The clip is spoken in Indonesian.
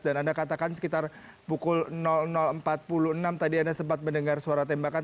dan anda katakan sekitar pukul empat puluh enam tadi anda sempat mendengar suara tembakan